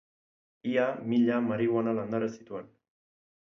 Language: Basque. Ia mila marihuana landare zituen.